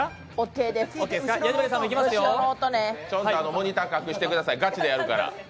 モニター隠してください、ガチでやるから。